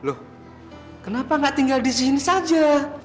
loh kenapa nggak tinggal di sini saja